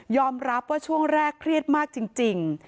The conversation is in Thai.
รับว่าช่วงแรกเครียดมากจริง